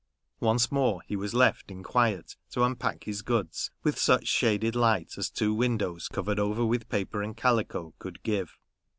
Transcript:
Once more he was left in quiet to unpack his goods, with such shaded light as two windows covered over with paper and calico could give.